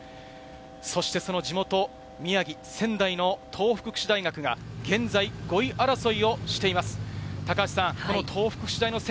そしてその地元、宮城、仙台の東北福祉大学が現在、５位争いをしています。